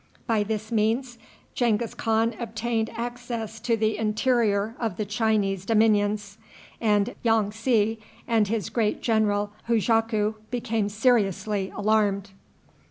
By this means Genghis Khan obtained access to the interior of the Chinese dominions, and Yong tsi and his great general Hujaku became seriously alarmed.